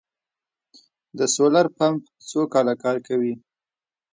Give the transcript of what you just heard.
د سولر پمپ څو کاله کار کوي؟